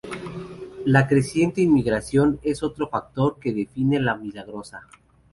La creciente inmigración es otro factor que define a la Milagrosa.